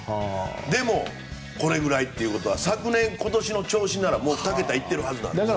でも、これぐらいということは昨年、今年の調子ならもう２桁いっているはずなんです。